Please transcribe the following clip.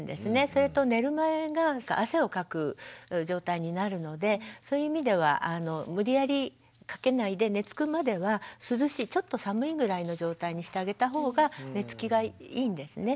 それと寝る前が汗をかく状態になるのでそういう意味では無理やり掛けないで寝つくまではちょっと寒いぐらいの状態にしてあげた方が寝つきがいいんですね。